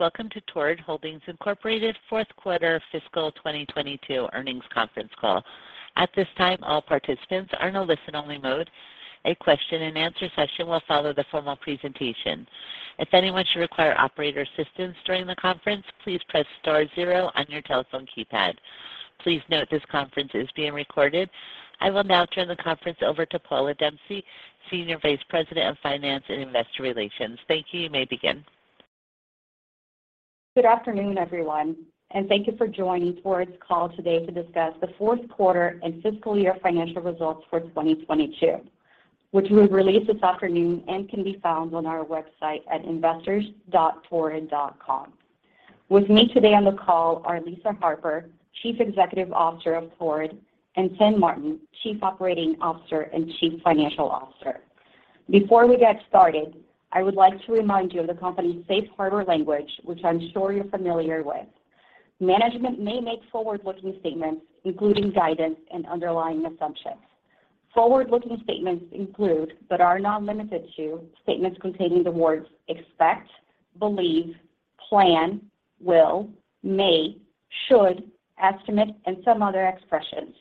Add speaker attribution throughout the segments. Speaker 1: Welcome to Torrid Holdings Inc. Q4 fiscal 2022 earnings conference call. At this time, all participants are in a listen-only mode. A question-and-answer session will follow the formal presentation. If anyone should require operator assistance during the conference, please press star zero on your telephone keypad. Please note this conference is being recorded. I will now turn the conference over to Paula Dempsey, Senior Vice President of Finance and Investor Relations. Thank you. You may begin.
Speaker 2: Good afternoon, everyone, and thank you for joining Torrid's call today to discuss the Q4 and fiscal year financial results for 2022, which we released this afternoon and can be found on our website at investors.torrid.com. With me today on the call are Lisa Harper, Chief Executive Officer of Torrid, and Tim Martin, Chief Operating Officer and Chief Financial Officer. Before we get started, I would like to remind you of the company's safe harbor language, which I'm sure you're familiar with. Management may make forward-looking statements, including guidance and underlying assumptions. Forward-looking statements include, but are not limited to, statements containing the words expect, believe, plan, will, may, should, estimate, and some other expressions.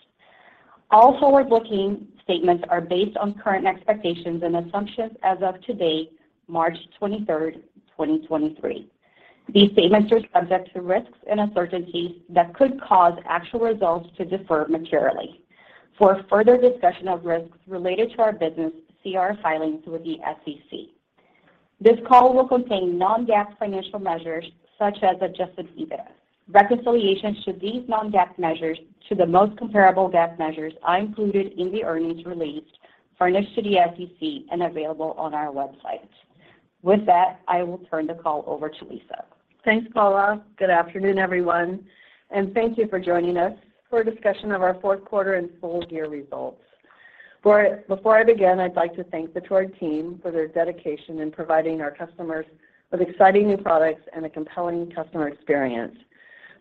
Speaker 2: All forward-looking statements are based on current expectations and assumptions as of today, March 23rd, 2023. These statements are subject to risks and uncertainties that could cause actual results to differ materially. For a further discussion of risks related to our business, see our filings with the SEC. This call will contain non-GAAP financial measures such as adjusted EBITDA. Reconciliations to these non-GAAP measures to the most comparable GAAP measures are included in the earnings released, furnished to the SEC, and available on our website. I will turn the call over to Lisa.
Speaker 3: Thanks, Paula. Good afternoon, everyone, and thank you for joining us for a discussion of our Q4 and full year results. Before I begin, I'd like to thank the Torrid team for their dedication in providing our customers with exciting new products and a compelling customer experience.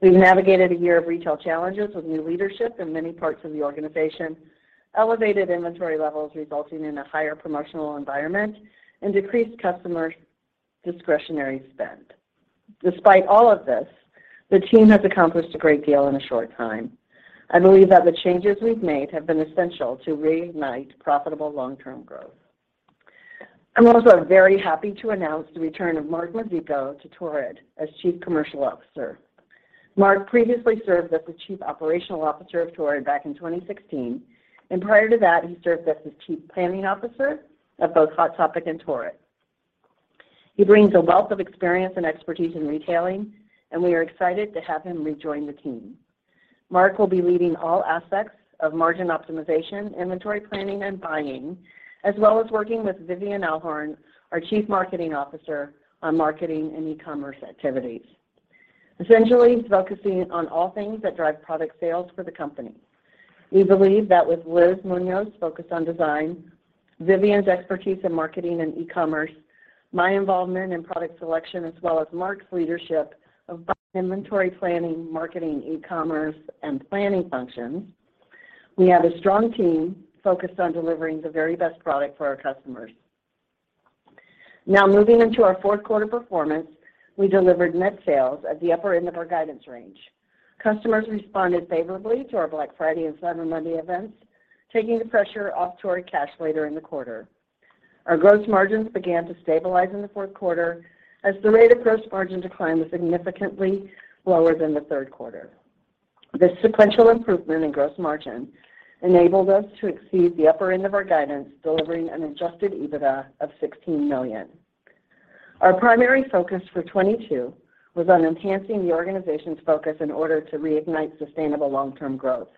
Speaker 3: We've navigated a year of retail challenges with new leadership in many parts of the organization, elevated inventory levels resulting in a higher promotional environment and decreased customer discretionary spend. Despite all of this, the team has accomplished a great deal in a short time. I believe that the changes we've made have been essential to reignite profitable long-term growth. I'm also very happy to announce the return of Mark Mizicko to Torrid as Chief Commercial Officer. Mark previously served as the Chief Operating Officer of Torrid back in 2016, and prior to that, he served as the Chief Planning Officer at both Hot Topic and Torrid. He brings a wealth of experience and expertise in retailing, and we are excited to have him rejoin the team. Mark will be leading all aspects of margin optimization, inventory planning, and buying, as well as working with Vivian Alhorn, our Chief Marketing Officer, on marketing and e-commerce activities, essentially focusing on all things that drive product sales for the company. We believe that with Liz Munoz focused on design, Vivian's expertise in marketing and e-commerce, my involvement in product selection, as well as Mark's leadership of inventory planning, marketing, e-commerce, and planning functions, we have a strong team focused on delivering the very best product for our customers. Now moving into our Q4 performance, we delivered net sales at the upper end of our guidance range. Customers responded favorably to our Black Friday and Cyber Monday events, taking the pressure off Torrid Cash later in the quarter. Our gross margins began to stabilize in the Q4 as the rate of gross margin decline was significantly lower than the Q3. This sequential improvement in gross margin enabled us to exceed the upper end of our guidance, delivering an adjusted EBITDA of $16 million. Our primary focus for 2022 was on enhancing the organization's focus in order to reignite sustainable long-term growth.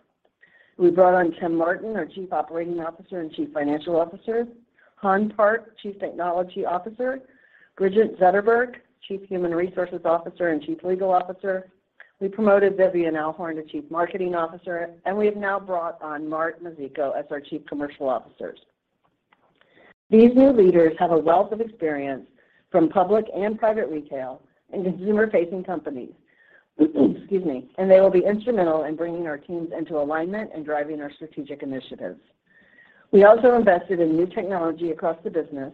Speaker 3: We brought on Tim Martin, our Chief Operating Officer and Chief Financial Officer, Hyon Park, Chief Technology Officer, Bridget Zeterberg, Chief Human Resources Officer and Chief Legal Officer. We promoted Vivian Alhorn to Chief Marketing Officer, and we have now brought on Mark Mizicko as our Chief Commercial Officer. These new leaders have a wealth of experience from public and private retail and consumer-facing companies, excuse me, and they will be instrumental in bringing our teams into alignment and driving our strategic initiatives. We also invested in new technology across the business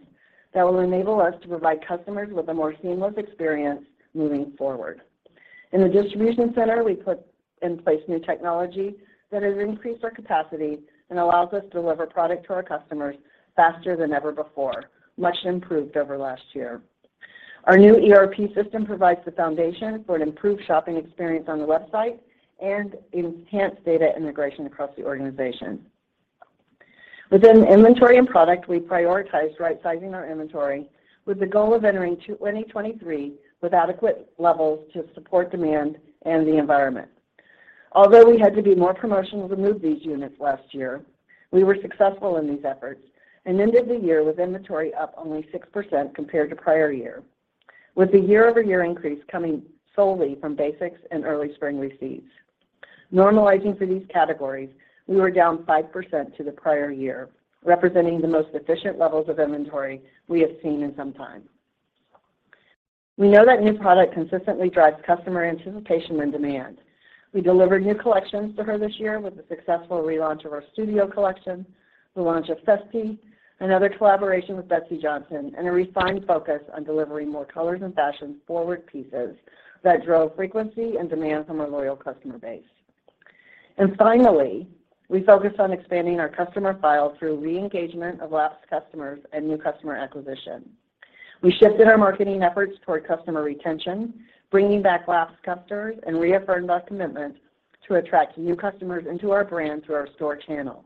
Speaker 3: that will enable us to provide customers with a more seamless experience moving forward. In the distribution center, we put in place new technology that has increased our capacity and allows us to deliver product to our customers faster than ever before, much improved over last year. Our new ERP system provides the foundation for an improved shopping experience on the website and enhanced data integration across the organization. Within inventory and product, we prioritized right-sizing our inventory with the goal of entering 2023 with adequate levels to support demand and the environment. Although we had to be more promotional to move these units last year, we were successful in these efforts and ended the year with inventory up only 6% compared to prior year, with the year-over-year increase coming solely from basics and early spring receipts. Normalizing for these categories, we were down 5% to the prior year, representing the most efficient levels of inventory we have seen in some time. We know that new product consistently drives customer anticipation and demand. We delivered new collections to her this year with the successful relaunch of our Studio collection, the launch of Festi, another collaboration with Betsey Johnson, and a refined focus on delivering more colors and fashion-forward pieces that drove frequency and demand from our loyal customer base. Finally, we focused on expanding our customer file through re-engagement of lapsed customers and new customer acquisition. We shifted our marketing efforts toward customer retention, bringing back lapsed customers, and reaffirmed our commitment to attract new customers into our brand through our store channel.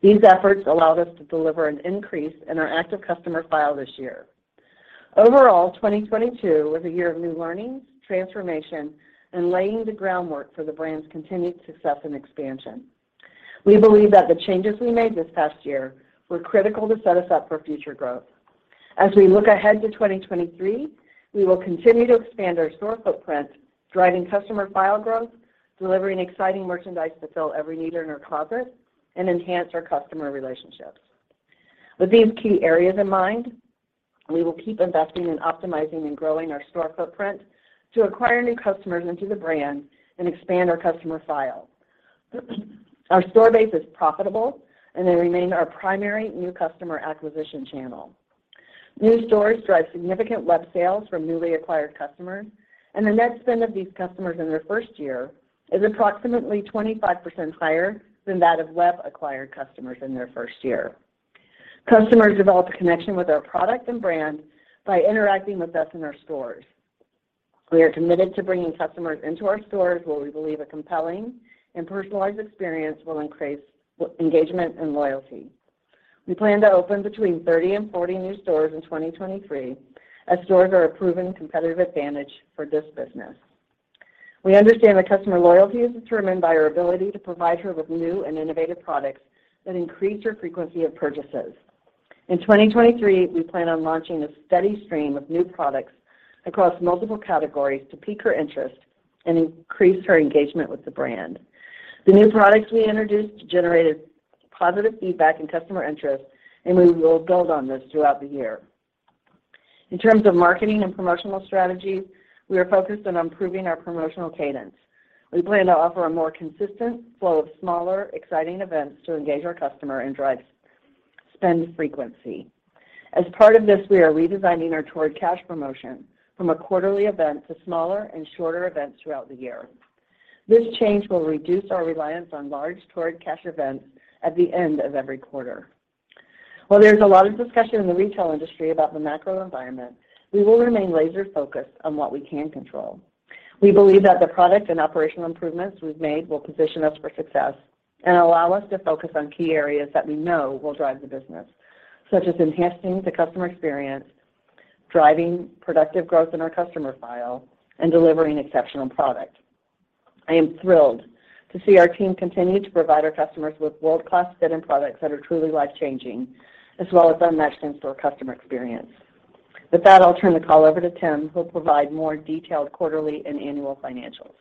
Speaker 3: These efforts allowed us to deliver an increase in our active customer file this year. Overall, 2022 was a year of new learnings, transformation, and laying the groundwork for the brand's continued success and expansion. We believe that the changes we made this past year were critical to set us up for future growth. As we look ahead to 2023, we will continue to expand our store footprint, driving customer file growth, delivering exciting merchandise to fill every need in her closet, and enhance our customer relationships. With these key areas in mind, we will keep investing in optimizing and growing our store footprint to acquire new customers into the brand and expand our customer file. Our store base is profitable and they remain our primary new customer acquisition channel. New stores drive significant web sales from newly acquired customers, and the net spend of these customers in their first year is approximately 25% higher than that of web-acquired customers in their first year. Customers develop a connection with our product and brand by interacting with us in our stores. We are committed to bringing customers into our stores where we believe a compelling and personalized experience will increase engagement and loyalty. We plan to open between 30 and 40 new stores in 2023 as stores are a proven competitive advantage for this business. We understand that customer loyalty is determined by our ability to provide her with new and innovative products that increase her frequency of purchases. In 2023, we plan on launching a steady stream of new products across multiple categories to pique her interest and increase her engagement with the brand. The new products we introduced generated positive feedback and customer interest, and we will build on this throughout the year. In terms of marketing and promotional strategies, we are focused on improving our promotional cadence. We plan to offer a more consistent flow of smaller, exciting events to engage our customer and drive spend frequency. As part of this, we are redesigning our Torrid Cash promotion from a quarterly event to smaller and shorter events throughout the year. This change will reduce our reliance on large Torrid Cash events at the end of every quarter. While there's a lot of discussion in the retail industry about the macro environment, we will remain laser-focused on what we can control. We believe that the product and operational improvements we've made will position us for success and allow us to focus on key areas that we know will drive the business, such as enhancing the customer experience, driving productive growth in our customer file, and delivering exceptional product. I am thrilled to see our team continue to provide our customers with world-class fit and products that are truly life-changing, as well as unmatched in-store customer experience. With that, I'll turn the call over to Tim, who will provide more detailed quarterly and annual financials.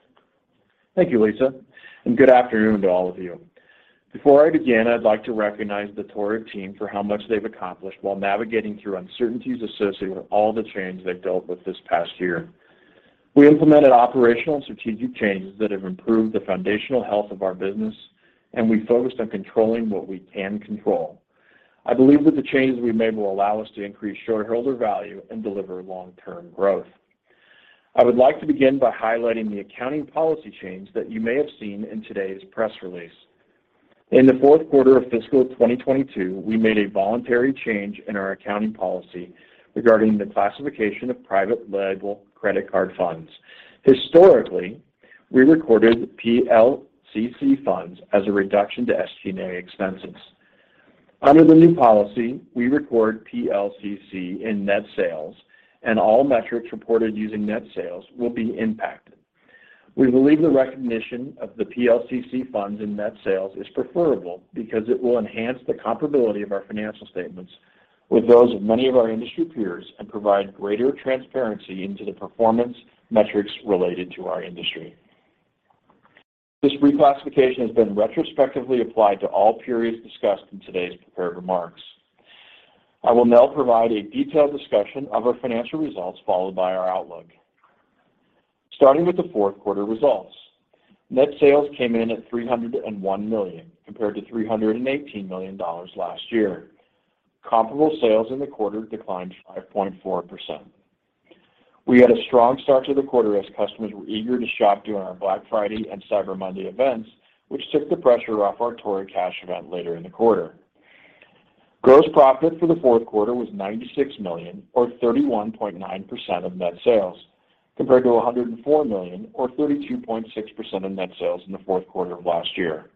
Speaker 4: Thank you, Lisa. Good afternoon to all of you. Before I begin, I'd like to recognize the Torrid team for how much they've accomplished while navigating through uncertainties associated with all the change they've dealt with this past year. We implemented operational and strategic changes that have improved the foundational health of our business, and we focused on controlling what we can control. I believe that the changes we've made will allow us to increase shareholder value and deliver long-term growth. I would like to begin by highlighting the accounting policy change that you may have seen in today's press release. In the Q4 of fiscal 2022, we made a voluntary change in our accounting policy regarding the classification of private label credit card funds. Historically, we recorded PLCC funds as a reduction to SG&A expenses. Under the new policy, we record PLCC in net sales and all metrics reported using net sales will be impacted. We believe the recognition of the PLCC funds in net sales is preferable because it will enhance the comparability of our financial statements with those of many of our industry peers and provide greater transparency into the performance metrics related to our industry. This reclassification has been retrospectively applied to all periods discussed in today's prepared remarks. I will now provide a detailed discussion of our financial results, followed by our outlook. Starting with the Q4 results. Net sales came in at $301 million, compared to $318 million last year. Comparable sales in the quarter declined 5.4%. We had a strong start to the quarter as customers were eager to shop during our Black Friday and Cyber Monday events, which took the pressure off our Torrid Cash event later in the quarter. Gross profit for the Q4 was $96 million or 31.9% of net sales, compared to $104 million or 32.6% of net sales in the Q4 of last year.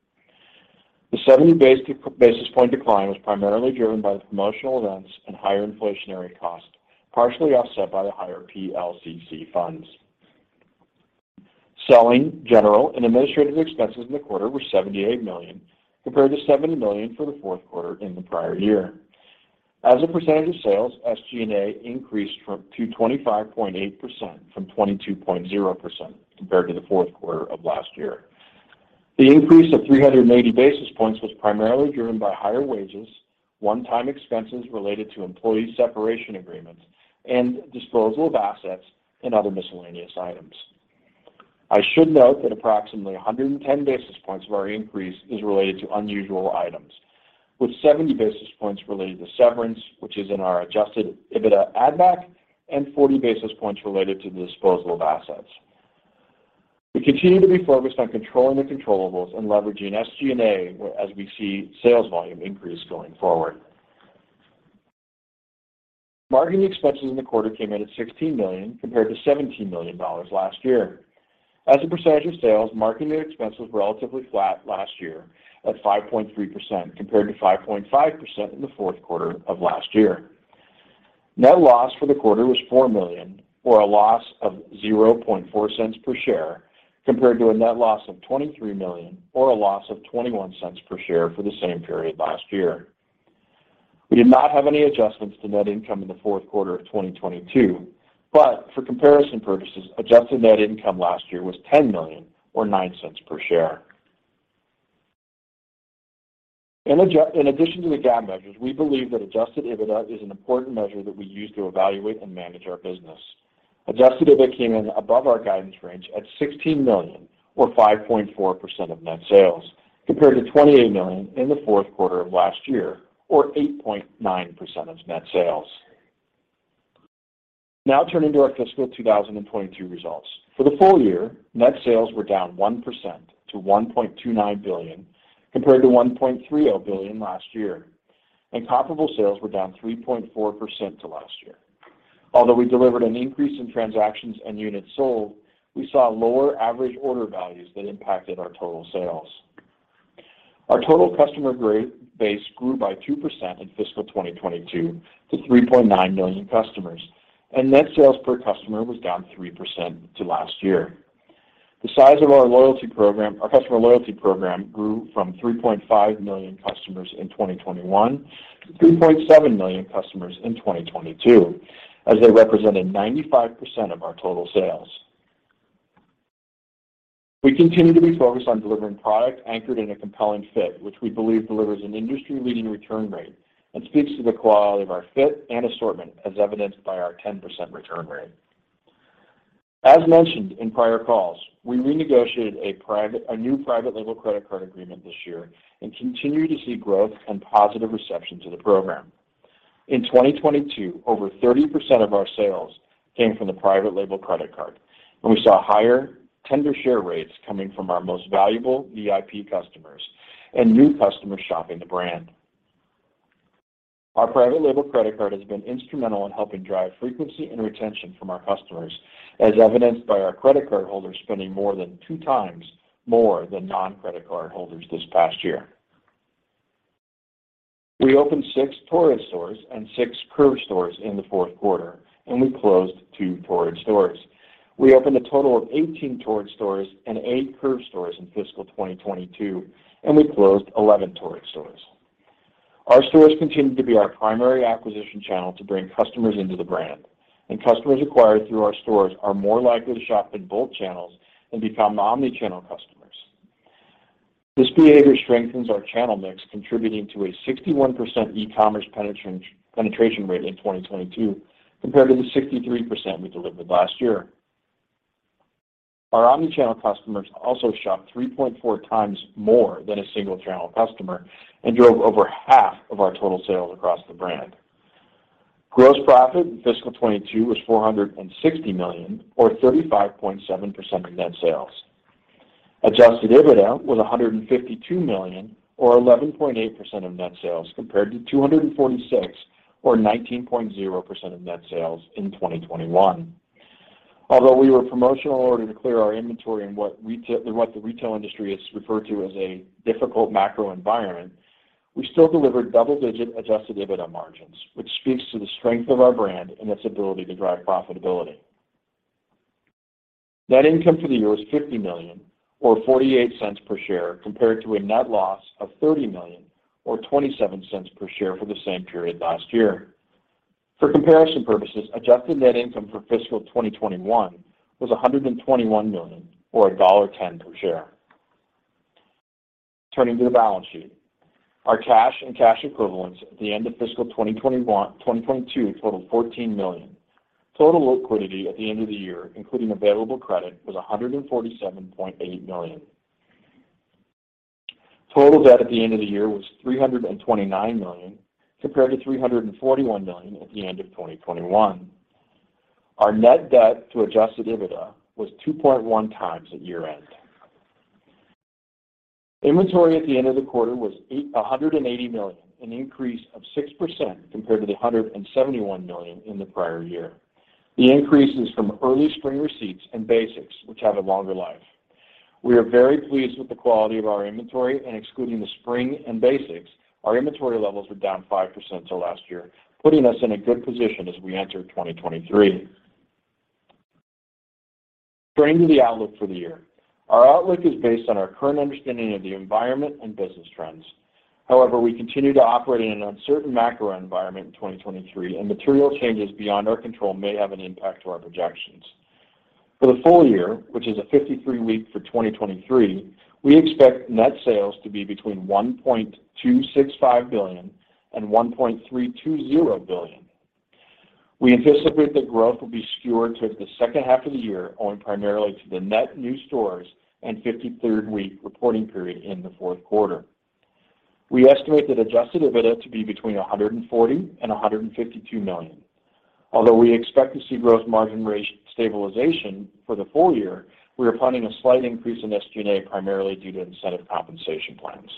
Speaker 4: The 70 basis point decline was primarily driven by the promotional events and higher inflationary costs, partially offset by the higher PLCC funds. Selling, General, and Administrative expenses in the quarter were $78 million, compared to $70 million for the Q4 in the prior year. As a percentage of sales, SG&A increased to 25.8% from 22.0% compared to the Q4 of last year. The increase of 380 basis points was primarily driven by higher wages, one-time expenses related to employee separation agreements and disposal of assets and other miscellaneous items. I should note that approximately 110 basis points of our increase is related to unusual items, with 70 basis points related to severance, which is in our adjusted EBITDA add-back, and 40 basis points related to the disposal of assets. We continue to be focused on controlling the controllables and leveraging SG&A as we see sales volume increase going forward. Marketing expenses in the quarter came in at $16 million compared to $17 million last year. As a percentage of sales, marketing expenses were relatively flat last year at 5.3% compared to 5.5% in the Q4 of last year. Net loss for the quarter was $4 million or a loss of $0.004 per share compared to a net loss of $23 million or a loss of $0.21 per share for the same period last year. We did not have any adjustments to net income in the Q4 of 2022, but for comparison purposes, adjusted net income last year was $10 million or $0.09 per share. In addition to the GAAP measures, we believe that adjusted EBITDA is an important measure that we use to evaluate and manage our business. Adjusted EBITDA came in above our guidance range at $16 million or 5.4% of net sales, compared to $28 million in the Q4 of last year or 8.9% of net sales. Turning to our fiscal 2022 results. For the full year, net sales were down 1% to $1.29 billion compared to $1.30 billion last year. Comparable sales were down 3.4% to last year. Although we delivered an increase in transactions and units sold, we saw lower average order values that impacted our total sales. Our total customer base grew by 2% in fiscal 2022 to 3.9 million customers. Net sales per customer was down 3% to last year. The size of our loyalty program, our customer loyalty program grew from 3.5 million customers in 2021 to 3.7 million customers in 2022, as they represented 95% of our total sales. We continue to be focused on delivering product anchored in a compelling fit, which we believe delivers an industry-leading return rate and speaks to the quality of our fit and assortment as evidenced by our 10% return rate. As mentioned in prior calls, we renegotiated a new private label credit card agreement this year and continue to see growth and positive reception to the program. In 2022, over 30% of our sales came from the private label credit card. We saw higher tender share rates coming from our most valuable VIP customers and new customers shopping the brand. Our private label credit card has been instrumental in helping drive frequency and retention from our customers, as evidenced by our credit card holders spending more than two times more than non-credit card holders this past year. We opened six Torrid stores and 6 CURV stores in the 4th quarter, and we closed two Torrid stores. We opened a total of 18 Torrid stores and eight CURV stores in fiscal 2022, and we closed 11 Torrid stores. Our stores continue to be our primary acquisition channel to bring customers into the brand, and customers acquired through our stores are more likely to shop in both channels and become omni-channel customers. This behavior strengthens our channel mix, contributing to a 61% e-commerce penetration rate in 2022 compared to the 63% we delivered last year. Our omni-channel customers also shopped 3.4 times more than a single channel customer and drove over half of our total sales across the brand. Gross profit in fiscal 2022 was $460 million or 35.7% of net sales. Adjusted EBITDA was $152 million or 11.8% of net sales compared to $246 million or 19.0% of net sales in 2021. Although we were promotional in order to clear our inventory in what the retail industry has referred to as a difficult macro environment, we still delivered double-digit adjusted EBITDA margins, which speaks to the strength of our brand and its ability to drive profitability. Net income for the year was $50 million or $0.48 per share compared to a net loss of $30 million or $0.27 per share for the same period last year. For comparison purposes, adjusted net income for fiscal 2021 was $121 million or $1.10 per share. Turning to the balance sheet. Our cash and cash equivalents at the end of fiscal 2021 2022 totaled $14 million. Total liquidity at the end of the year, including available credit, was $147.8 million. Total debt at the end of the year was $329 million, compared to $341 million at the end of 2021. Our net debt to adjusted EBITDA was 2.1 times at year-end. Inventory at the end of the quarter was $180 million, an increase of 6% compared to the $171 million in the prior year. The increase is from early spring receipts and basics, which have a longer life. We are very pleased with the quality of our inventory and excluding the spring and basics, our inventory levels were down 5% to last year, putting us in a good position as we enter 2023. Turning to the outlook for the year. Our outlook is based on our current understanding of the environment and business trends. We continue to operate in an uncertain macro environment in 2023, and material changes beyond our control may have an impact to our projections. For the full year, which is a 53-week for 2023, we expect net sales to be between $1.265 billion and $1.320 billion. We anticipate that growth will be skewed to the second half of the year, owing primarily to the net new stores and 53rd week reporting period in the Q4. We estimate that adjusted EBITDA to be between $140 million and $152 million. We expect to see gross margin rate stabilization for the full year, we are planning a slight increase in SG&A, primarily due to incentive compensation plans.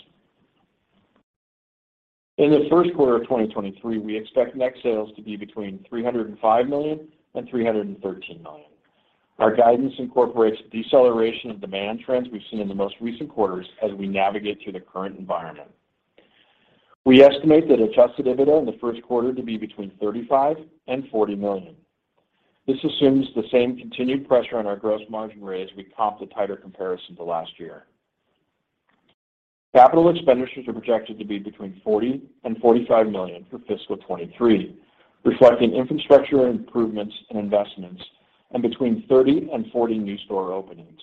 Speaker 4: In the Q1 of 2023, we expect net sales to be between $305 million and $313 million. Our guidance incorporates deceleration of demand trends we've seen in the most recent quarters as we navigate through the current environment. We estimate that adjusted EBITDA in the Q1 to be between $35 million and $40 million. This assumes the same continued pressure on our gross margin rate as we comp the tighter comparison to last year. Capital expenditures are projected to be between $40 million and $45 million for fiscal 2023, reflecting infrastructure improvements and investments, and between 30 and 40 new store openings.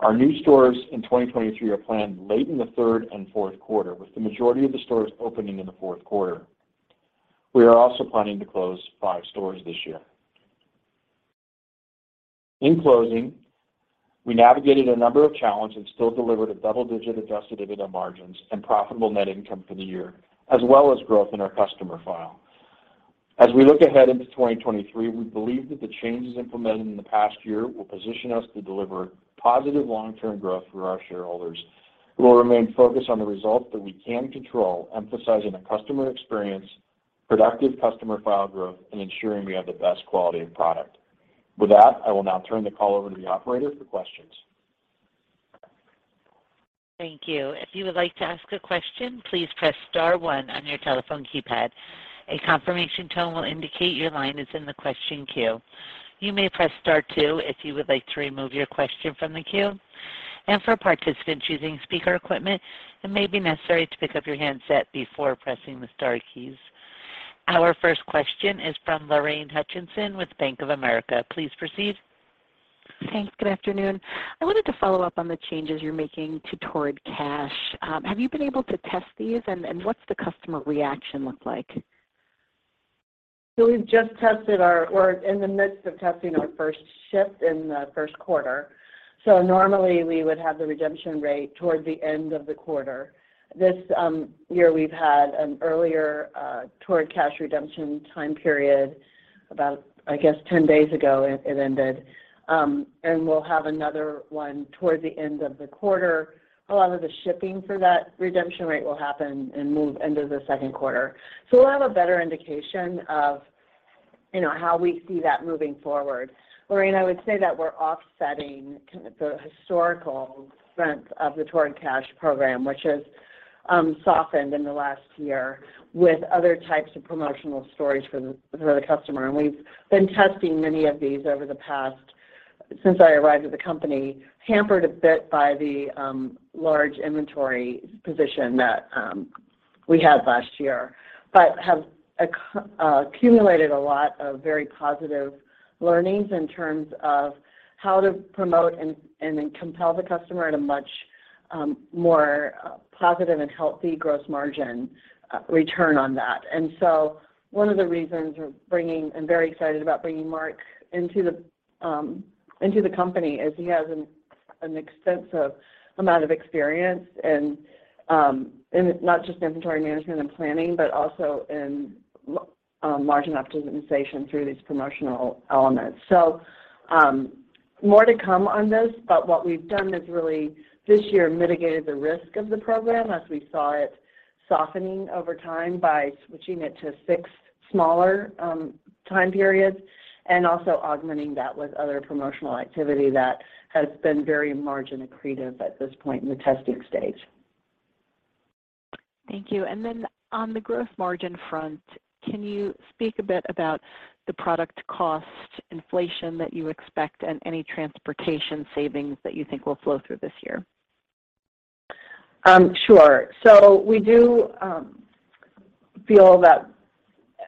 Speaker 4: Our new stores in 2023 are planned late in the third and Q4, with the majority of the stores opening in the Q4. We are also planning to close five stores this year. In closing, we navigated a number of challenges and still delivered a double-digit adjusted EBITDA margins and profitable net income for the year, as well as growth in our customer file. As we look ahead into 2023, we believe that the changes implemented in the past year will position us to deliver positive long-term growth for our shareholders, who will remain focused on the results that we can control, emphasizing a customer experience, productive customer file growth, and ensuring we have the best quality of product. With that, I will now turn the call over to the operator for questions.
Speaker 1: Thank you. If you would like to ask a question, please press star one on your telephone keypad. A confirmation tone will indicate your line is in the question queue. You may press star two if you would like to remove your question from the queue. For participants using speaker equipment, it may be necessary to pick up your handset before pressing the star keys. Our first question is from Lorraine Hutchinson with Bank of America. Please proceed.
Speaker 5: Thanks. Good afternoon. I wanted to follow up on the changes you're making to Torrid Cash. Have you been able to test these, and what's the customer reaction look like?
Speaker 3: We're in the midst of testing our first shift in the Q1. Normally, we would have the redemption rate toward the end of the quarter. This year, we've had an earlier Torrid Cash redemption time period. About, I guess, 10 days ago it ended. We'll have another one towards the end of the quarter. A lot of the shipping for that redemption rate will happen and move into the Q2. We'll have a better indication of, you know, how we see that moving forward. Lorraine, I would say that we're offsetting the historical strength of the Torrid Cash program, which has softened in the last year, with other types of promotional stories for the customer. We've been testing many of these over the past. since I arrived at the company, hampered a bit by the large inventory position that we had last year. Have accumulated a lot of very positive learnings in terms of how to promote and compel the customer at a much more positive and healthy gross margin return on that. One of the reasons we're bringing... I'm very excited about bringing Mark into the company, is he has an extensive amount of experience in not just inventory management and planning, but also in margin optimization through these promotional elements. More to come on this, but what we've done is really, this year, mitigated the risk of the program as we saw it softening over time by switching it to six smaller, time periods, and also augmenting that with other promotional activity that has been very margin accretive at this point in the testing stage.
Speaker 5: Thank you. On the gross margin front, can you speak a bit about the product cost inflation that you expect and any transportation savings that you think will flow through this year?
Speaker 3: Sure. We do feel that,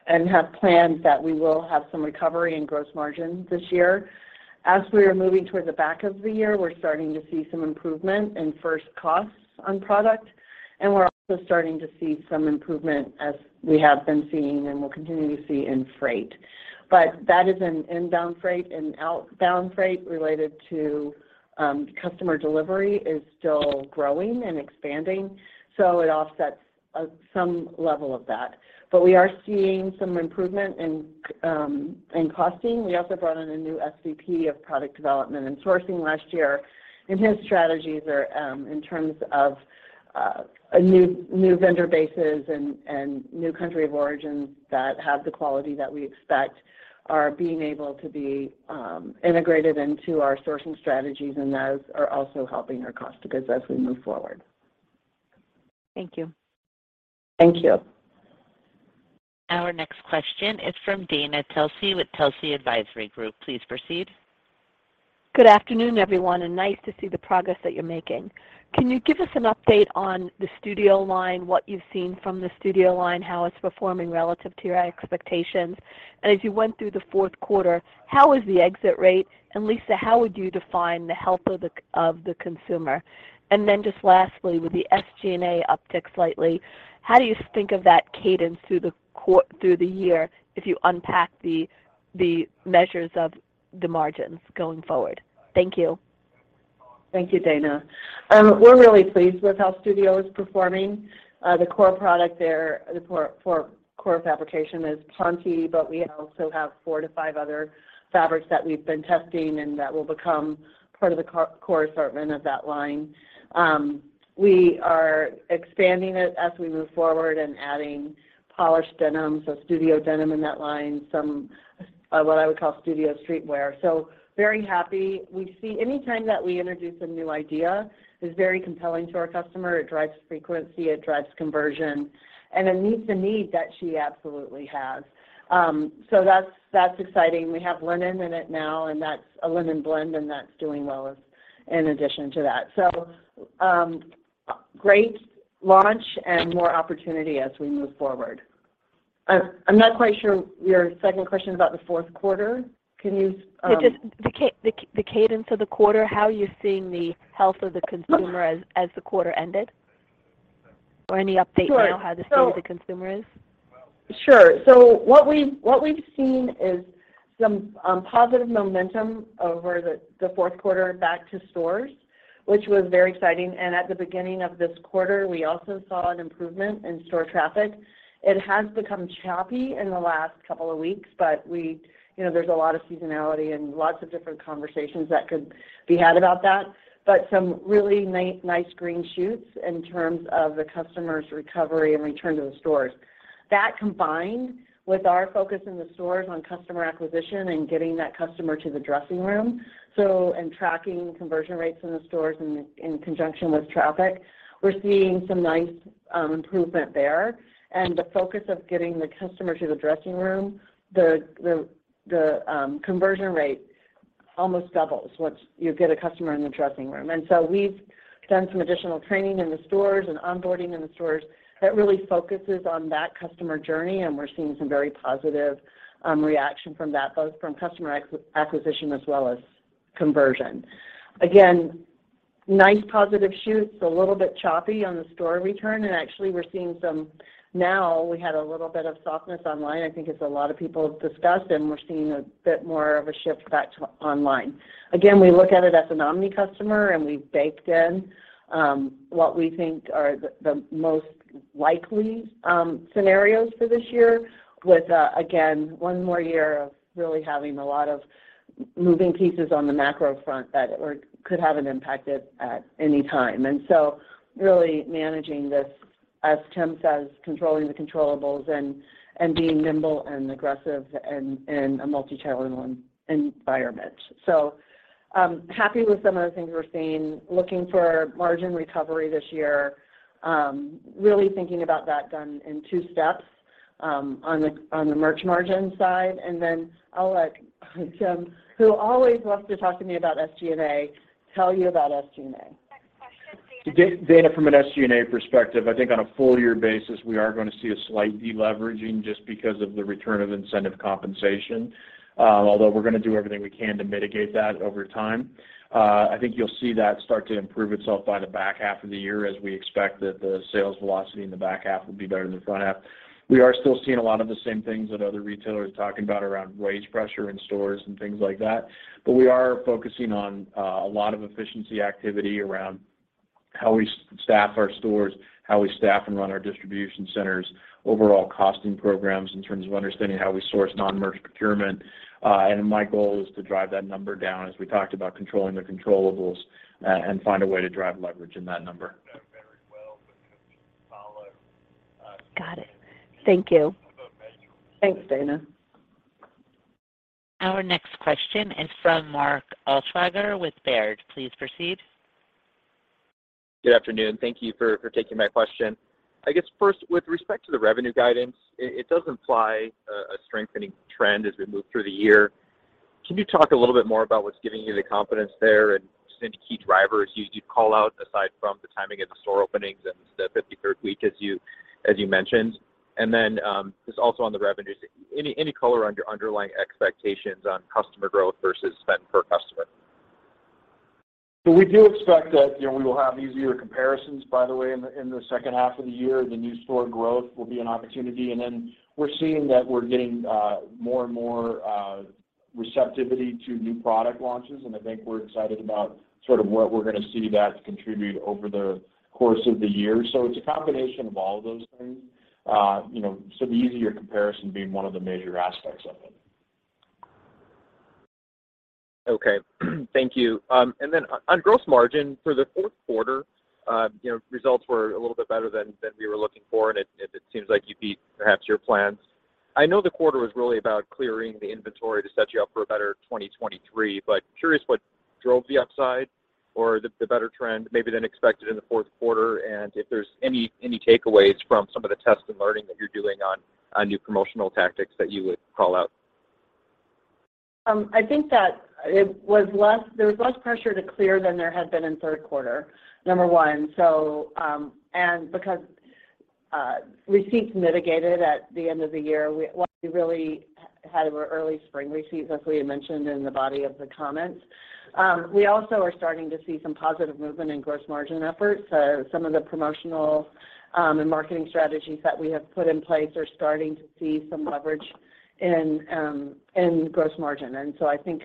Speaker 3: and have planned that we will have some recovery in gross margin this year. As we are moving towards the back of the year, we're starting to see some improvement in first costs on product, and we're also starting to see some improvement as we have been seeing and will continue to see in freight. That is in inbound freight and outbound freight related to customer delivery is still growing and expanding, so it offsets some level of that. We are seeing some improvement in costing. We also brought on a new SVP of product development and sourcing last year, and his strategies are, in terms of a new vendor bases and new country of origins that have the quality that we expect are being able to be integrated into our sourcing strategies, and those are also helping our cost because as we move forward.
Speaker 5: Thank you.
Speaker 3: Thank you.
Speaker 1: Our next question is from Dana Telsey with Telsey Advisory Group. Please proceed.
Speaker 6: Good afternoon, everyone. Nice to see the progress that you're making. Can you give us an update on the Studio line, what you've seen from the Studio line, how it's performing relative to your expectations? As you went through the Q4, how was the exit rate? Lisa, how would you define the health of the consumer? Just lastly, with the SG&A uptick slightly, how do you think of that cadence through the year if you unpack the measures of the margins going forward? Thank you.
Speaker 3: Thank you, Dana. We're really pleased with how Studio is performing. The core product there, the core fabrication is ponte, but we also have four to five other fabrics that we've been testing, and that will become part of the core assortment of that line. We are expanding it as we move forward and adding polished denims, so Studio denim in that line, some, what I would call Studio streetwear. Very happy. We see any time that we introduce a new idea, it's very compelling to our customer. It drives frequency, it drives conversion, and it meets the need that she absolutely has. That's, that's exciting. We have linen in it now, and that's a linen blend, and that's doing well as in addition to that. Great launch and more opportunity as we move forward. I'm not quite sure your second question about the Q4. Can you?
Speaker 6: Yeah, just the cadence of the quarter, how you're seeing the health of the consumer as the quarter ended or any update on how the state of the consumer is.
Speaker 3: Sure. What we've seen is some positive momentum over the Q4 back to stores, which was very exciting. At the beginning of this quarter, we also saw an improvement in store traffic. It has become choppy in the last couple of weeks, but you know, there's a lot of seasonality and lots of different conversations that could be had about that. Some really nice green shoots in terms of the customer's recovery and return to the stores. That combined with our focus in the stores on customer acquisition and getting that customer to the dressing room, so, and tracking conversion rates in the stores in conjunction with traffic, we're seeing some nice improvement there. The focus of getting the customer to the dressing room, the conversion rate almost doubles once you get a customer in the dressing room. We've done some additional training in the stores and onboarding in the stores that really focuses on that customer journey, and we're seeing some very positive reaction from that, both from customer acquisition as well as conversion. Again, nice positive shoots, a little bit choppy on the store return. Actually, we're seeing some. Now we had a little bit of softness online, I think as a lot of people have discussed, and we're seeing a bit more of a shift back to online. Again, we look at it as an omni customer, and we've baked in what we think are the most likely scenarios for this year with again, one more year of really having a lot of moving pieces on the macro front that could have an impact at any time. Really managing this, as Tim says, controlling the controllables and being nimble and aggressive in a multi-channel environment. Happy with some of the things we're seeing, looking for margin recovery this year. Really thinking about that done in two steps on the merch margin side. I'll let Tim, who always loves to talk to me about SG&A, tell you about SG&A.
Speaker 1: Dana, from an SG&A perspective, I think on a full year basis, we are going to see a slight deleveraging just because of the return of incentive compensation, although we're going to do everything we can to mitigate that over time. I think you'll see that start to improve itself by the back half of the year as we expect that the sales velocity in the back half will be better than the front half. We are still seeing a lot of the same things that other retailers are talking about around wage pressure in stores and things like that. We are focusing on a lot of efficiency activity around how we staff our stores, how we staff and run our distribution centers, overall costing programs in terms of understanding how we source non-merch procurement.
Speaker 4: My goal is to drive that number down as we talked about controlling the controllables, and find a way to drive leverage in that number.
Speaker 6: Got it. Thank you.
Speaker 3: Thanks, Dana.
Speaker 1: Our next question is from Mark Altschwager with Baird. Please proceed.
Speaker 7: Good afternoon. Thank you for taking my question. I guess first, with respect to the revenue guidance, it does imply a strengthening trend as we move through the year. Can you talk a little bit more about what's giving you the confidence there and just any key drivers you'd call out aside from the timing of the store openings and the 53rd week as you mentioned? Just also on the revenues, any color on your underlying expectations on customer growth versus spend per customer?
Speaker 4: We do expect that, you know, we will have easier comparisons, by the way, in the, in the second half of the year. The new store growth will be an opportunity. We're seeing that we're getting more and more receptivity to new product launches, and I think we're excited about sort of what we're gonna see that contribute over the course of the year. It's a combination of all of those things. You know, the easier comparison being one of the major aspects of it.
Speaker 7: Okay. Thank you. On gross margin for the Q4, you know, results were a little bit better than we were looking for, and it seems like you beat perhaps your plans. I know the quarter was really about clearing the inventory to set you up for a better 2023, curious what drove the upside?
Speaker 4: The better trend maybe than expected in the Q4, and if there's any takeaways from some of the tests and learning that you're doing on new promotional tactics that you would call out.
Speaker 3: I think that it was less. There was less pressure to clear than there had been in Q3, number one. Because receipts mitigated at the end of the year, what we really had were early spring receipts, as we had mentioned in the body of the comments. We also are starting to see some positive movement in gross margin efforts. Some of the promotional and marketing strategies that we have put in place are starting to see some leverage in gross margin. I think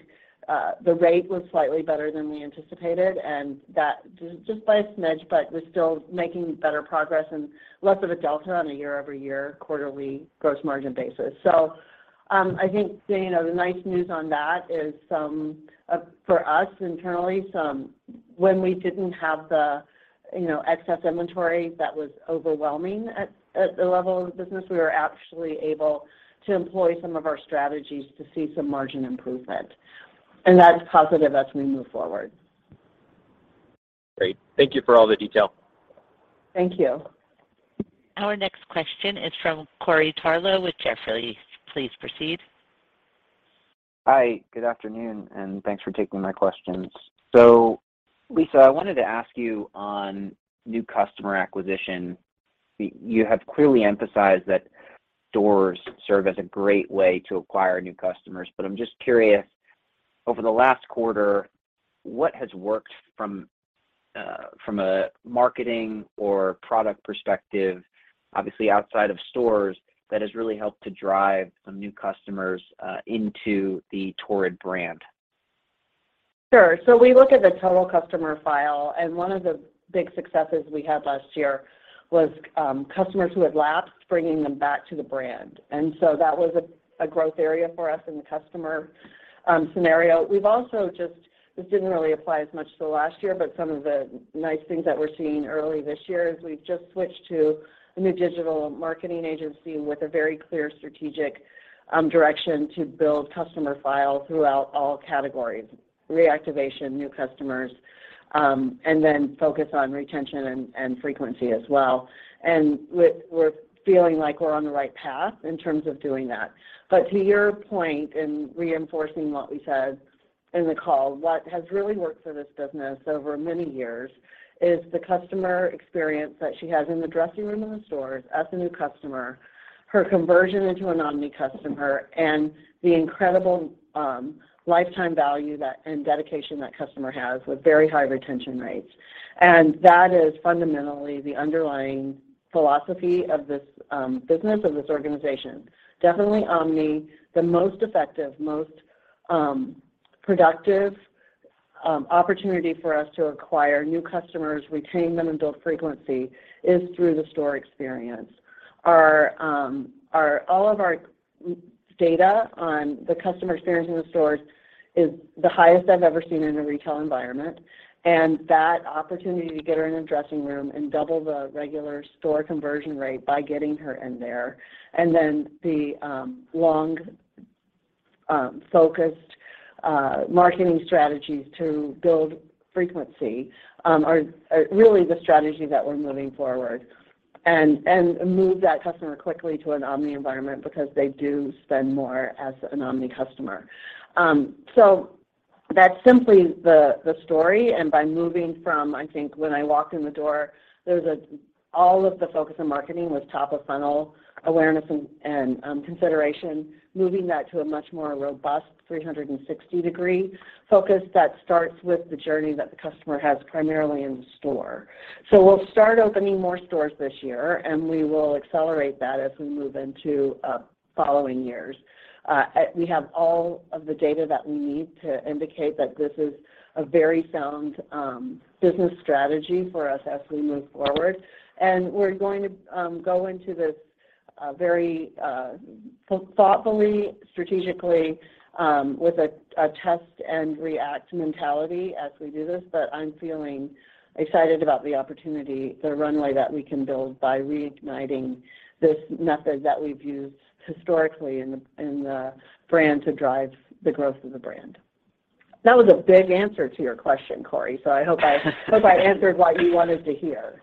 Speaker 3: the rate was slightly better than we anticipated, and that just by a smidge, but was still making better progress and less of a delta on a year-over-year quarterly gross margin basis. I think the, you know, the nice news on that is for us internally, when we didn't have the, you know, excess inventory that was overwhelming at the level of the business, we were actually able to employ some of our strategies to see some margin improvement. That's positive as we move forward.
Speaker 4: Great. Thank you for all the detail.
Speaker 3: Thank you.
Speaker 1: Our next question is from Corey Tarlowe with Jefferies. Please proceed.
Speaker 8: Hi, good afternoon, and thanks for taking my questions. Lisa, I wanted to ask you on new customer acquisition, you have clearly emphasized that doors serve as a great way to acquire new customers. I'm just curious, over the last quarter, what has worked from a marketing or product perspective, obviously outside of stores, that has really helped to drive some new customers into the Torrid brand?
Speaker 3: Sure. We look at the total customer file, and one of the big successes we had last year was customers who had lapsed, bringing them back to the brand. That was a growth area for us in the customer scenario. This didn't really apply as much to last year, but some of the nice things that we're seeing early this year is we've just switched to a new digital marketing agency with a very clear strategic direction to build customer file throughout all categories, reactivation, new customers, and then focus on retention and frequency as well. We're feeling like we're on the right path in terms of doing that. To your point, in reinforcing what we said in the call, what has really worked for this business over many years is the customer experience that she has in the dressing room in the stores as a new customer, her conversion into an omni customer, and the incredible lifetime value that, and dedication that customer has with very high retention rates. That is fundamentally the underlying philosophy of this business, of this organization. Definitely omni, the most effective, most productive opportunity for us to acquire new customers, retain them, and build frequency is through the store experience. All of our data on the customer experience in the stores is the highest I've ever seen in a retail environment. That opportunity to get her in a dressing room and double the regular store conversion rate by getting her in there, and then the long, focused marketing strategies to build frequency are really the strategy that we're moving forward and move that customer quickly to an omni environment because they do spend more as an omni customer. That's simply the story, by moving from, I think when I walked in the door, all of the focus on marketing was top of funnel awareness and consideration, moving that to a much more robust 360 degree focus that starts with the journey that the customer has primarily in the store. We'll start opening more stores this year, and we will accelerate that as we move into following years. We have all of the data that we need to indicate that this is a very sound business strategy for us as we move forward. We're going to go into this very thoughtfully, strategically with a test-and-react mentality as we do this. I'm feeling excited about the opportunity, the runway that we can build by reigniting this method that we've used historically in the brand to drive the growth of the brand. That was a big answer to your question, Corey, I hope I answered what you wanted to hear.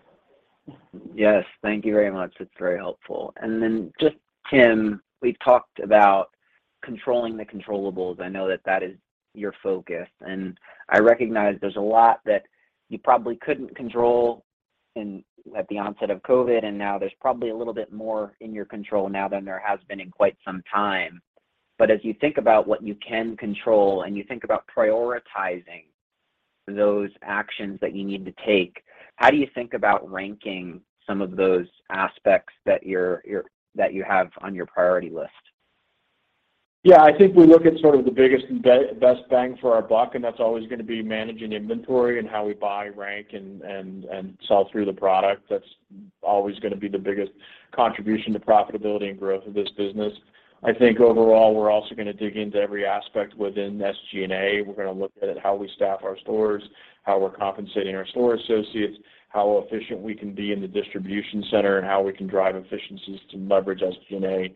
Speaker 8: Yes. Thank you very much. That's very helpful. Then just, Tim, we've talked about controlling the controllables. I know that that is your focus. I recognize there's a lot that you probably couldn't control at the onset of COVID, and now there's probably a little bit more in your control now than there has been in quite some time. As you think about what you can control and you think about prioritizing those actions that you need to take, how do you think about ranking some of those aspects that you have on your priority list?
Speaker 4: I think we look at sort of the biggest and best bang for our buck, and that's always gonna be managing inventory and how we buy, rank, and sell through the product. That's always gonna be the biggest contribution to profitability and growth of this business. I think overall, we're also gonna dig into every aspect within SG&A. We're gonna look at how we staff our stores, how we're compensating our store associates, how efficient we can be in the distribution center, and how we can drive efficiencies to leverage SG&A at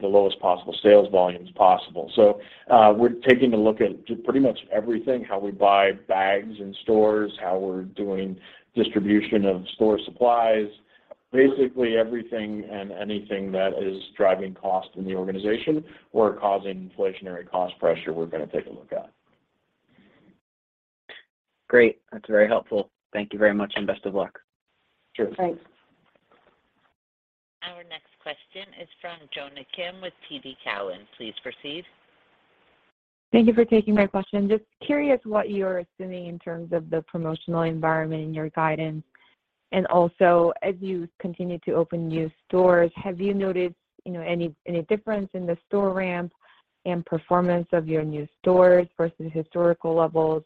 Speaker 4: the lowest possible sales volumes possible. We're taking a look at just pretty much everything, how we buy bags in stores, how we're doing distribution of store supplies. Basically everything and anything that is driving cost in the organization or causing inflationary cost pressure, we're gonna take a look at.
Speaker 9: Great. That's very helpful. Thank you very much and best of luck.
Speaker 4: Sure.
Speaker 3: Thanks.
Speaker 1: Our next question is from Jonna Kim with TD Cowen. Please proceed.
Speaker 10: Thank you for taking my question. Just curious what you're assuming in terms of the promotional environment in your guidance. Also, as you continue to open new stores, have you noticed, you know, any difference in the store ramp and performance of your new stores versus historical levels?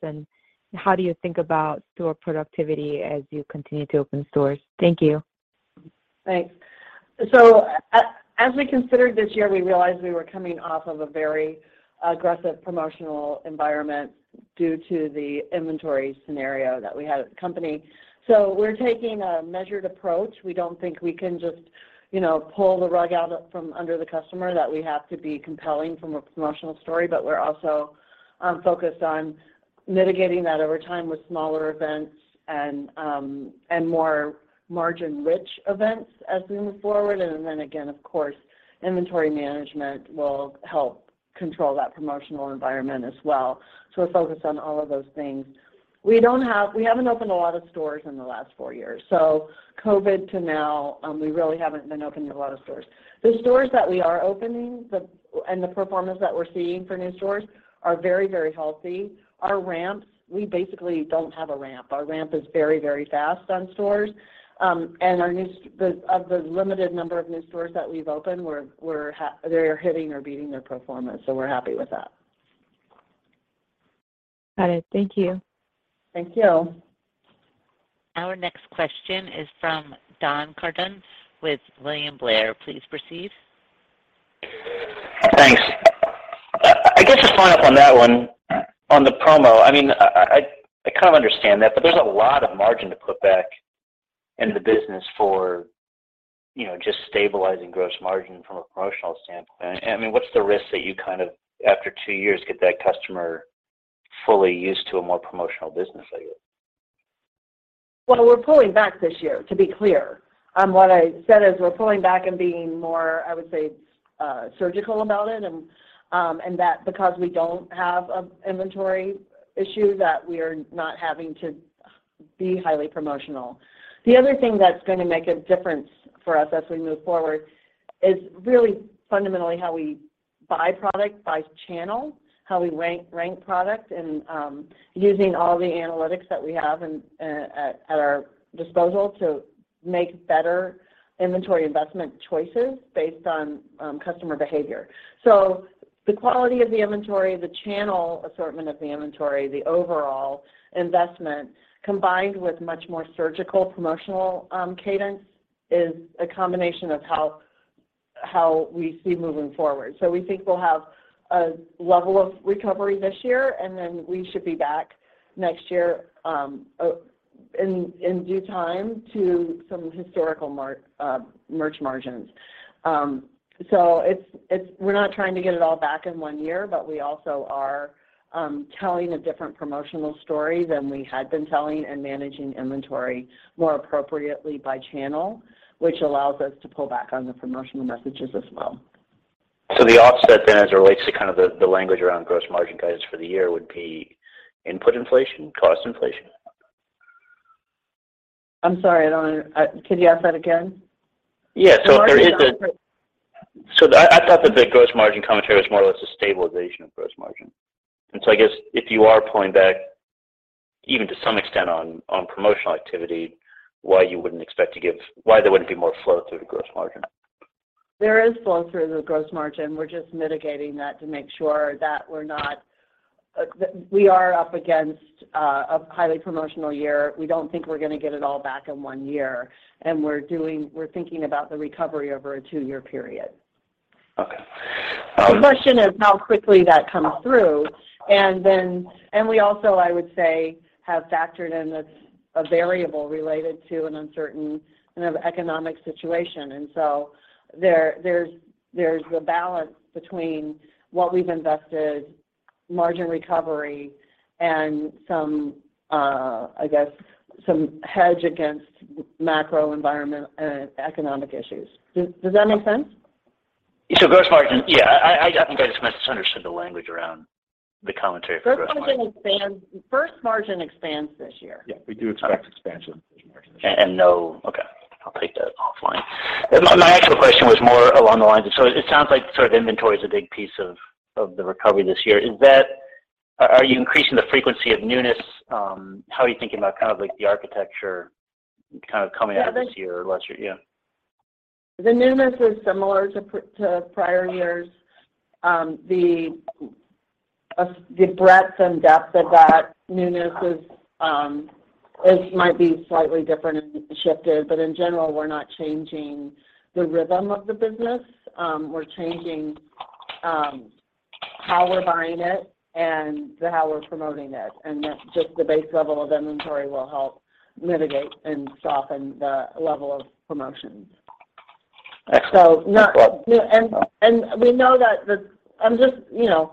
Speaker 10: How do you think about store productivity as you continue to open stores? Thank you. Thanks. As we considered this year, we realized we were coming off of a very aggressive promotional environment due to the inventory scenario that we had at the company. We're taking a measured approach. We don't think we can just, you know, pull the rug out up from under the customer, that we have to be compelling from a promotional story.
Speaker 3: We're also focused on mitigating that over time with smaller events and more margin-rich events as we move forward. Then again, of course, inventory management will help control that promotional environment as well. We're focused on all of those things. We haven't opened a lot of stores in the last four years. COVID to now, we really haven't been opening a lot of stores. The stores that we are opening, and the performance that we're seeing for new stores are very, very healthy. Our ramps, we basically don't have a ramp. Our ramp is very, very fast on stores. And our new-- the, of the limited number of new stores that we've opened, we're, they are hitting or beating their performance. We're happy with that.
Speaker 10: Got it. Thank you. Thank you.
Speaker 1: Our next question is from Dylan Carden with William Blair. Please proceed.
Speaker 9: Thanks. I guess just following up on that one. On the promo, I mean, I kind of understand that, but there's a lot of margin to put back into the business for, you know, just stabilizing gross margin from a promotional standpoint. I mean, what's the risk that you kind of, after two years, get that customer fully used to a more promotional business, I guess?
Speaker 3: Well, we're pulling back this year, to be clear. What I said is we're pulling back and being more, I would say, surgical about it and, that because we don't have a inventory issue, that we are not having to be highly promotional. The other thing that's gonna make a difference for us as we move forward is really fundamentally how we buy product by channel, how we rank product, and, using all the analytics that we have in, at our disposal to make better inventory investment choices based on, customer behavior. The quality of the inventory, the channel assortment of the inventory, the overall investment, combined with much more surgical promotional, cadence, is a combination of how we see moving forward. We think we'll have a level of recovery this year, and then we should be back next year, in due time to some historical merch margins. We're not trying to get it all back in one year, but we also are telling a different promotional story than we had been telling and managing inventory more appropriately by channel, which allows us to pull back on the promotional messages as well.
Speaker 9: The offset then as it relates to kind of the language around gross margin guidance for the year would be input inflation, cost inflation.
Speaker 3: I'm sorry, could you ask that again?
Speaker 9: Yeah. if there is a-
Speaker 3: The margin-
Speaker 9: I thought that the gross margin commentary was more or less a stabilization of gross margin. I guess if you are pulling back even to some extent on promotional activity, why there wouldn't be more flow through the gross margin?
Speaker 3: There is flow through the gross margin. We're just mitigating that to make sure that we're not. We are up against a highly promotional year. We don't think we're gonna get it all back in one year, and we're thinking about the recovery over a two-year period.
Speaker 9: Okay.
Speaker 3: The question is how quickly that comes through, and then. We also, I would say, have factored in this, a variable related to an uncertain kind of economic situation. There's the balance between what we've invested, margin recovery, and some, I guess, some hedge against macro environment, economic issues. Does that make sense?
Speaker 9: Gross margin. Yeah. I think I just misunderstood the language around the commentary for gross margin.
Speaker 3: Gross margin expands. Gross margin expands this year.
Speaker 4: Yeah, we do expect expansion in gross margin this year.
Speaker 9: Okay, I'll take that offline. My actual question was more along the lines of... It sounds like sort of inventory is a big piece of the recovery this year. Are you increasing the frequency of newness? How are you thinking about kind of like the architecture kind of coming out of this year or last year? Yeah.
Speaker 3: The newness is similar to prior years. The breadth and depth of that newness might be slightly different and shifted, but in general, we're not changing the rhythm of the business. We're changing how we're buying it and the how we're promoting it, and that just the base level of inventory will help mitigate and soften the level of promotion. Yeah, we know that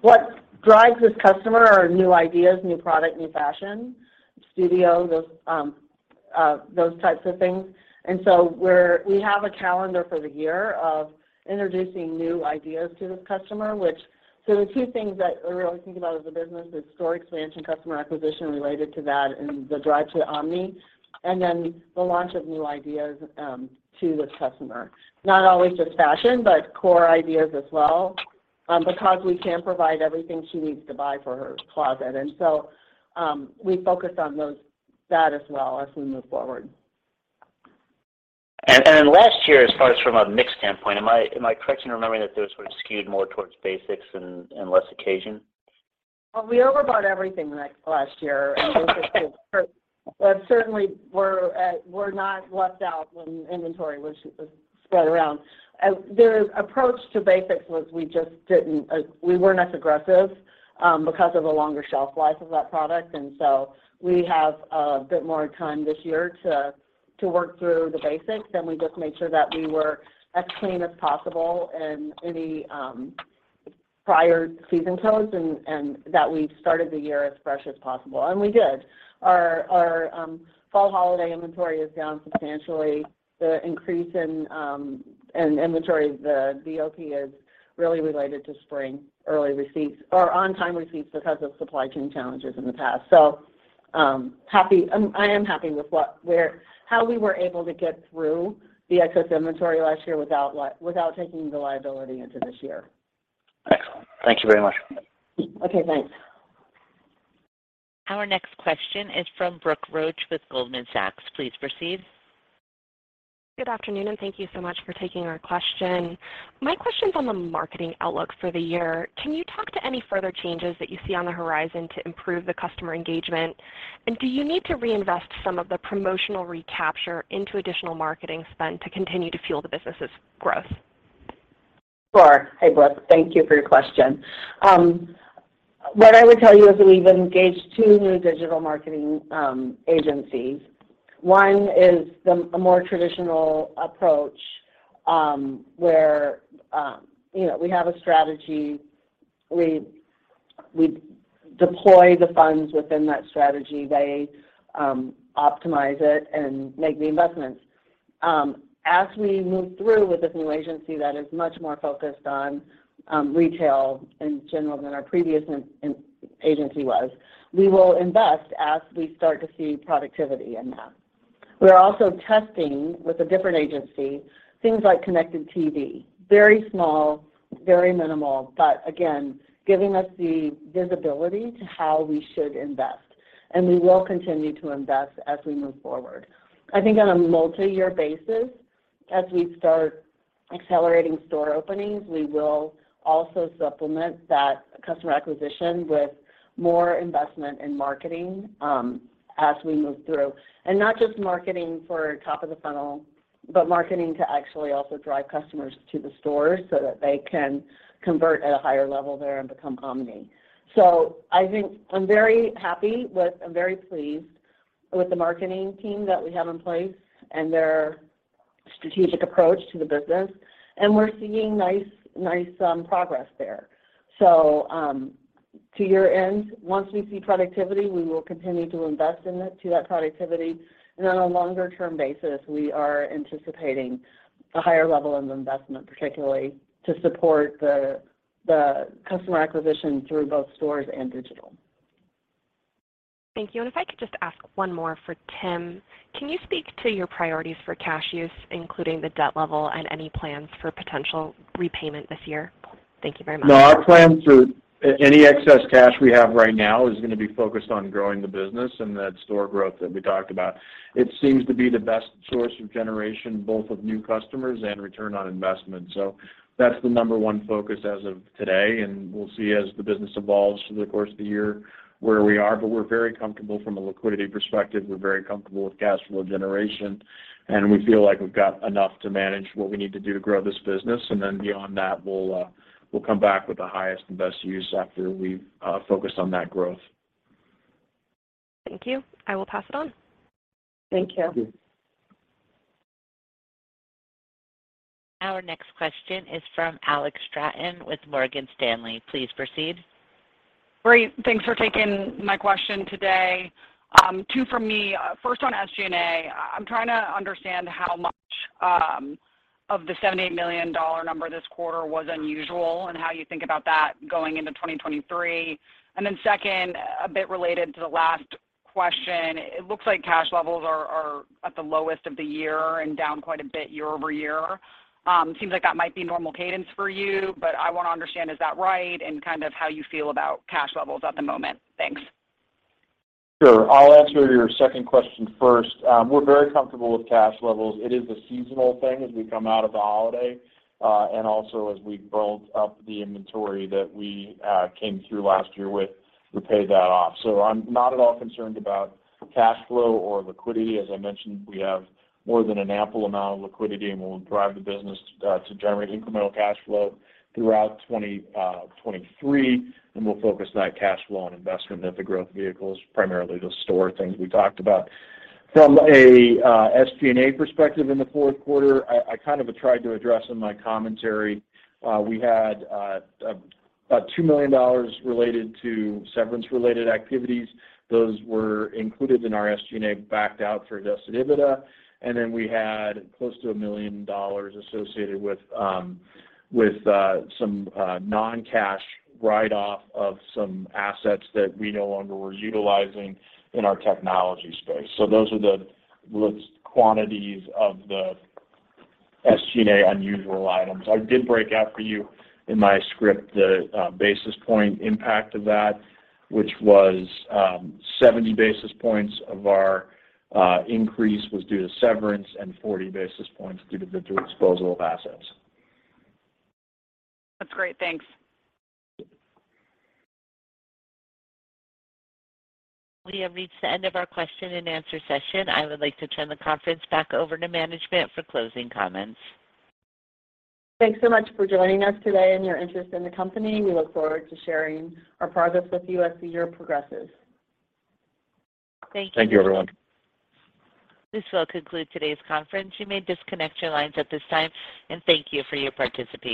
Speaker 3: what drives this customer are new ideas, new product, new fashion, studios, those types of things. We have a calendar for the year of introducing new ideas to this customer, which... The two things that I really think about as a business is store expansion, customer acquisition related to that and the drive to omni and then the launch of new ideas to the customer. Not always just fashion, but core ideas as well, because we can provide everything she needs to buy for her closet. We focus on that as well as we move forward.
Speaker 11: Last year, as far as from a mix standpoint, am I correct in remembering that those were skewed more towards basics and less occasion?
Speaker 3: Well, we overbought everything last year. Certainly we're not left out when inventory was spread around. Their approach to basics was we weren't as aggressive because of the longer shelf life of that product. We have a bit more time this year to work through the basics, then we just made sure that we were as clean as possible in any prior season codes and that we started the year as fresh as possible, and we did. Our fall holiday inventory is down substantially. The increase in inventory, the DOP is really related to spring early receipts or on time receipts because of supply chain challenges in the past. Happy... I am happy with what, where, how we were able to get through the excess inventory last year without taking the liability into this year.
Speaker 11: Excellent. Thank you very much.
Speaker 3: Okay, thanks.
Speaker 1: Our next question is from Brooke Roach with Goldman Sachs. Please proceed.
Speaker 12: Good afternoon, and thank you so much for taking our question. My question's on the marketing outlook for the year. Can you talk to any further changes that you see on the horizon to improve the customer engagement? Do you need to reinvest some of the promotional recapture into additional marketing spend to continue to fuel the business's growth?
Speaker 3: Sure. Hey, Brooke. Thank you for your question. What I would tell you is that we've engaged two new digital marketing agencies. One is a more traditional approach, where, you know, we have a strategy. We deploy the funds within that strategy. They optimize it and make the investments. As we move through with this new agency that is much more focused on retail in general than our previous agency was, we will invest as we start to see productivity in that. We are also testing with a different agency, things like connected TV, very small, very minimal, but again, giving us the visibility to how we should invest, and we will continue to invest as we move forward. I think on a multi-year basis, as we start accelerating store openings, we will also supplement that customer acquisition with more investment in marketing, as we move through. Not just marketing for top of the funnel, but marketing to actually also drive customers to the store so that they can convert at a higher level there and become omni. I think I'm very pleased with the marketing team that we have in place and their strategic approach to the business, and we're seeing nice progress there. To your end, once we see productivity, we will continue to invest in it to that productivity. On a longer term basis, we are anticipating a higher level of investment, particularly to support the customer acquisition through both stores and digital.
Speaker 12: Thank you. If I could just ask one more for Tim. Can you speak to your priorities for cash use, including the debt level and any plans for potential repayment this year? Thank you very much.
Speaker 4: No. Our plans are any excess cash we have right now is going to be focused on growing the business and that store growth that we talked about. It seems to be the best source of generation, both of new customers and return on investment. That's the number one focus as of today, and we'll see as the business evolves through the course of the year where we are. We're very comfortable from a liquidity perspective. We're very comfortable with cash flow generation, and we feel like we've got enough to manage what we need to do to grow this business. Beyond that, we'll come back with the highest and best use after we've focused on that growth.
Speaker 12: Thank you. I will pass it on.
Speaker 3: Thank you.
Speaker 4: Thank you.
Speaker 1: Our next question is from Alex Straton with Morgan Stanley. Please proceed.
Speaker 11: Great. Thanks for taking my question today. Two from me. First, on SG&A, I'm trying to understand how much of the $78 million number this quarter was unusual and how you think about that going into 2023. Second, a bit related to the last question, it looks like cash levels are at the lowest of the year and down quite a bit year-over-year. Seems like that might be normal cadence for you, but I want to understand, is that right? And kind of how you feel about cash levels at the moment. Thanks.
Speaker 4: Sure. I'll answer your second question first. We're very comfortable with cash levels. It is a seasonal thing as we come out of the holiday, and also as we build up the inventory that we came through last year with, we paid that off. I'm not at all concerned about cash flow or liquidity. As I mentioned, we have more than an ample amount of liquidity, and we'll drive the business to generate incremental cash flow throughout 2023, and we'll focus that cash flow on investment at the growth vehicles, primarily the store things we talked about. From a SG&A perspective in the Q4, I kind of tried to address in my commentary. We had about $2 million related to severance related activities. Those were included in our SG&A, backed out for adjusted EBITDA. We had close to $1 million associated with some non-cash write-off of some assets that we no longer were utilizing in our technology space. Those are the quantities of the SG&A unusual items. I did break out for you in my script the basis point impact of that, which was 70 basis points of our increase was due to severance and 40 basis points due to disposal of assets.
Speaker 11: That's great. Thanks.
Speaker 1: We have reached the end of our question and answer session. I would like to turn the conference back over to management for closing comments.
Speaker 3: Thanks so much for joining us today and your interest in the company. We look forward to sharing our progress with you as the year progresses.
Speaker 4: Thank you, everyone.
Speaker 1: This will conclude today's conference. You may disconnect your lines at this time, and thank you for your participation.